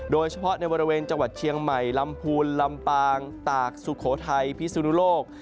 โดยเฉพาะในบริเวณจังหวัดเชียงใหม่ลำพูนลำปางตากสุโขทัยพิสุนุโลก